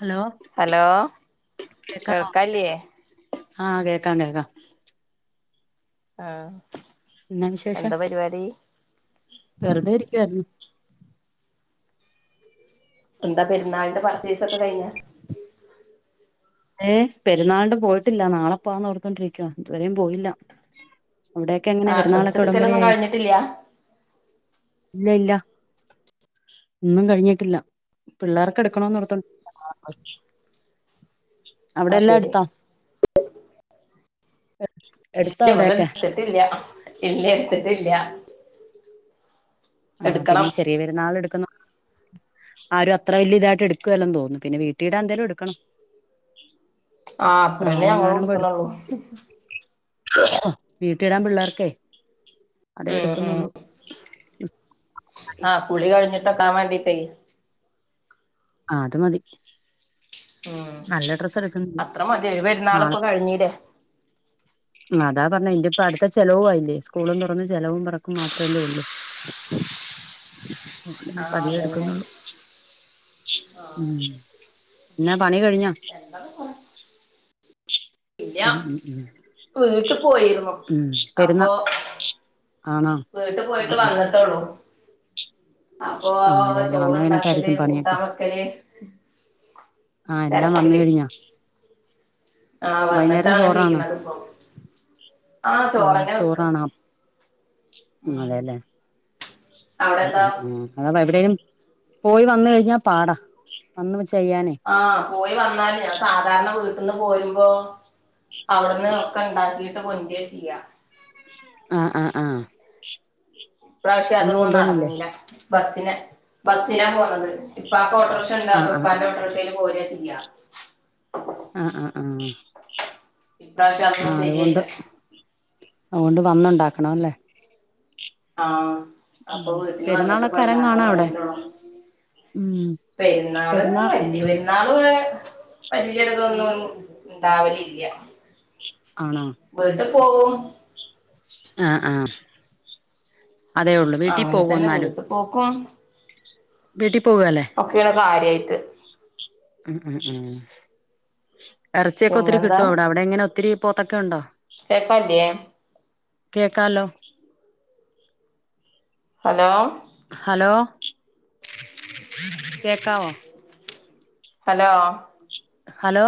Hello hello കേക്കാവോ കേൾക്കാലൃയേ ആഹ് കേക്കാം കേക്കാം ആ എന്നാ വിശേഷം വെറുതെയിരിക്കുവായിരുന്നു എന്താ പെരുന്നാളിന്റെ പർച്ചേസ്സൊക്കെ കഴിഞ്ഞ ഏ പെരുന്നാള്ണ്ട് പോയിട്ടില്ല നാളെപ്പോന്ന് ഓർത്തോണ്ടിരിക്കുവ ഇതുവരെയും പോയില്ല അവിടെയൊക്കെ എങ്ങനെ ആ ഡ്രസ്സ് പെരുന്നാളൊക്കെ എടുക്കലൊന്നും ഉടമ്പരയായി കഴിഞ്ഞട്ടില്ല ഇല്ല ഇല്ല ഒന്നും കഴിഞ്ഞിട്ടില്ല പിള്ളേർക്കെടുക്കണന്ന് ഓർത്തോ അവിടെ ആഹ് എല്ലാം ശരി എടുത്തോ ഇല്ല വന്ന് അവിടെയൊക്കെ എട്ത്തിട്ടില്ല്യ ഇല്ല എട്ത്തിട്ടില്ല്യ ആ, പിന്നീ, ചെറിയ, പെരുന്നാൾന്, എടുക്കുന്നൊ ആരും, അത്ര, വലിയ, ഇതായിട്ട്, എടുക്കുവല്ലെന്ന്, തോന്നുന്നു, പിന്നെ, വീട്ടീടാൻ, എന്തേലും, എടുക്കണം. ആ, അത്രന്നെ, നാളെങ്ങാനും ഞങ്ങളുട്ക്ക്ണൊള്ളൂ. അ, വീട്ടിയിടാൻ, പിള്ളാർക്കെ അതെ, എടുക്കുന്നുള്ളൂ. ആ കുളി കഴിഞ്ഞ് തെക്കാൻ വാണ്ടിട്ടെ ആ അത് മതി ഉം നല്ല ഡ്രസ്സ് എടുക്കുന്നില്ല അത്ര മതി ഒര് നാളെ പെര്ന്നാളിപ്പോ കഴിഞ്ഞിലെ അതാ പർണ ഇന്റെ ഇപ്പ അട്ത്ത ചെലവും ആയില്ലെ സ്കൂളും തൊറന്ന് ചെലവും പെറക്കും മാത്ര അല്ലെ ഉള്ളു അതുകൊണ്ട് ആഹ് ഇപ്പ ഇഞ്ഞ് അതന്നെ ഇട്ക്കുന്നൊള്ളു ഉം ഇന്നാ പണി കഴി എന്താപ്പം കൊറെ ഉം ഉം ഉം വീട്ട് പോയിരുന്നു ഉം പെരുന്നാ അപ്പോ ആണോ വീട്ട് ആഹ് പോയിട്ട് ആഹ് വന്നിട്ടോള്ളൂ അപ്പൊ ആഹ് അതെല്ലേ വന്ന് ചോറണ്ടാക്കല് കഴിഞ്ഞിട്ടായിരിക്കും കൂട്ട പണിയൊക്കെ വക്കല് ആ എല്ലാം വന്ന കഴിഞ്ഞോ ആ വൈന്നേരം വന്നിട്ടാണ് ചോറാണോ ചെയ്യപ്പ ആഹ ആഹ് ചോറനെ വെക്ക ചോറാണോ ഉ അതെല്ലേ ഉം ഉം ഉം അതപ്പ എവിടെയും പോയി വന്ന കഴിഞ്ഞാ പാടാ വന്ന് ചെയ്യാനേ ആ പോയി വന്നല് ഞാൻ സാധാരണ ന്ന് പോരുമ്പോ അവിടുന്ന് ഒക്കെ ഉണ്ടാക്കി കൊണ്ടുവര ചെയ്യ ആ ആ ആ പ്രാവശ്യ അതൊന്നും നടന്നില്ല ബസ്സിനെ ബസ്സിനാ പോുന്നത് ഇപ്പ ആ ഓട്ട ഓട്ടോറിക്ഷ ആഹ് അപ്പം ആഹ് ഇപ്പാന്റെ ഓട്ടോറിക്ഷയിൽ പോരാ ചെയ്യാ ആ ആആ ഇപ്രാവശ്യം ആ അതൊന്നും അതുകൊണ്ട് ശരിയായില്ല അതുകൊണ്ട് വന്നണ്ടാക്ക ആണല്ലേ ആ അപ്പൊ വീട്ടിൽ വന്നിട്ട് പ പെരുന്നാളൊക്കെ ഉണ്ടാക്കൻ അരങ്ങാണോ അവിടെ തുടങ്ങിട്ടുള്ളു ഉം പെരുന്നാള് പെരുന്നാൾ വല്ല ള വലിയളുതൊന്നും ഉണ്ടാവല ഇല്ല ആ ണോ പോൺ ആഹ ആഹ അങ്ങനെ തന്നെ പുതിട്ട് പോക്കും വീട്ടിൽ പോകാല്ലേ ഒക്കെയുള്ള കാര്യായിട്ട് ഉ ഉ ഉം ഇറച്ചിയൊക്കെ ഒത്തിരി പിന്നെന്താ കിട്ടുവ അവിടെ അവിടെ എങ്ങനെ ഒത്തിരി പോത്തൊക്കെ ഉണ്ടോ കേക്കല്ലേ കേക്കാലോ ഹലോ ഹലോ ഉ കേക്കാവോ ഹലോ ഹലോ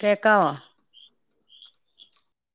കേക്കാം